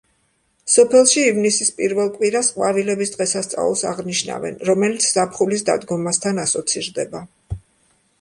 სოფელში ივნისის პირველ კვირას ყვავილების დღესასწაულს აღნიშნავენ, რომელიც ზაფხულის დადგომასთან ასოცირდება.